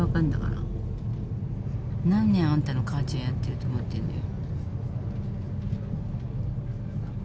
何年あんたの母ちゃんやってると思ってんのよ。